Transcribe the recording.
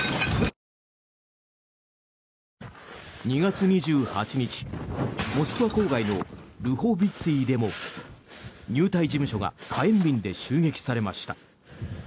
２月２８日、モスクワ郊外のルホヴィツィでも入隊事務所が火炎瓶で襲撃されました。